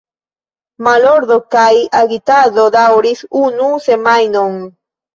Malordo kaj agitado daŭris unu semajnon.